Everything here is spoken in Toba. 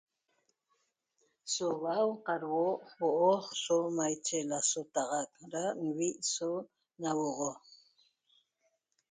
So hua'au qadhuo' huo'o so maiche lasotaxac da nvi' so nahuoxo